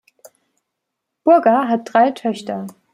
Burger hat drei Töchter.